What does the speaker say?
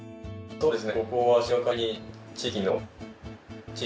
そうですね。